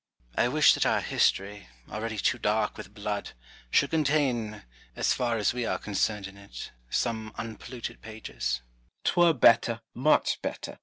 I wish that our history, already too dark with blood, should contain, as far as we are concerned in it, some unpolluted pages. Cromwell. 'Twere better, much better.